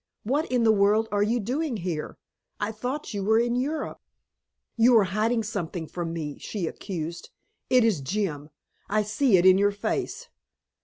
"What in the world are you doing here? I thought you were in Europe." "You are hiding something from me!" she accused. "It is Jim! I see it in your face."